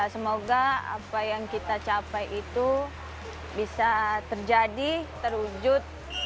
semoga apa yang kita capai itu bisa terjadi terwujud